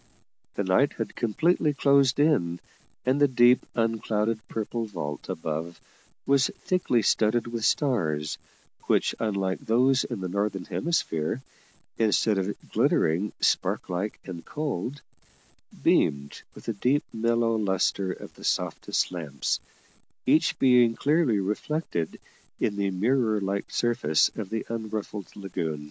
The night had completely closed in, and the deep, unclouded purple vault above was thickly studded with stars, which, unlike those in the northern hemisphere, instead of glittering spark like and cold, beamed with the deep, mellow lustre of the softest lamps, each being clearly reflected in the mirror like surface of the unruffled lagoon.